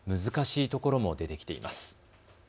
難しいところも出てきています。